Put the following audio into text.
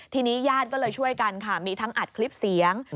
ทีนี้ญาติก็เลยช่วยกันค่ะมีทั้งอัดคลิปเสียง